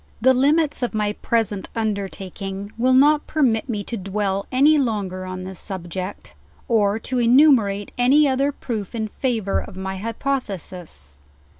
The limits of my present undertaking will not permit me to dwell any longer on this subject, or to enumerate any oth er proof in favor of my hypothesis.